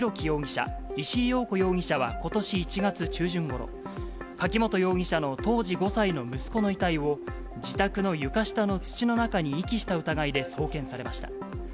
容疑者、石井陽子容疑者はことし１月中旬ごろ、柿本容疑者の当時５歳の息子の遺体を、自宅の床下の土の中に遺棄した疑いで送検されました。